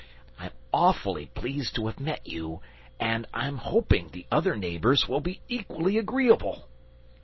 I'm awfully pleased to have met you, and I'm hoping the other neighbours will be equally agreeable.